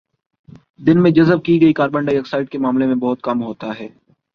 دن میں جذب کی گئی کاربن ڈائی آکسائیڈ کے مقابلے میں بہت کم ہوتا ہے